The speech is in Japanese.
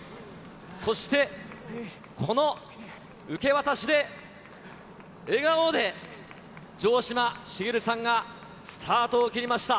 そして、この受け渡しで、笑顔で、城島茂さんがスタートを切りました。